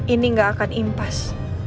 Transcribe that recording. ini gak akan impas